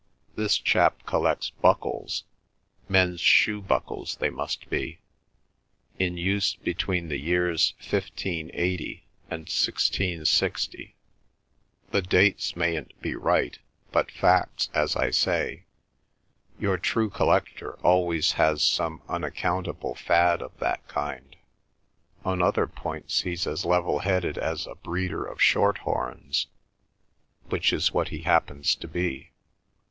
This chap collects buckles—men's shoe buckles they must be, in use between the years 1580 and 1660; the dates mayn't be right, but fact's as I say. Your true collector always has some unaccountable fad of that kind. On other points he's as level headed as a breeder of shorthorns, which is what he happens to be.